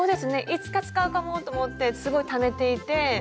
いつか使うかもと思ってすごいためていて。